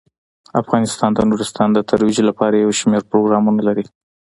افغانستان د نورستان د ترویج لپاره یو شمیر پروګرامونه لري.